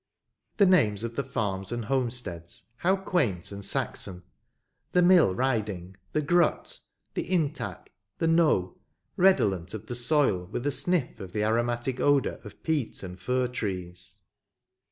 The names of the farms and homesteads how quaint and Saxon —"The Mill Riding," *^ The Grut," "The Intack," " The Knowe," redolent of the soil, with a sniff of the aromatic odour of peat and fir trees